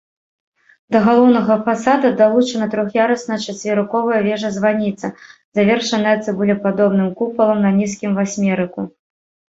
Да галоўнага фасада далучана трох'ярусная чацверыковая вежа-званіца, завершаная цыбулепадобным купалам на нізкім васьмерыку.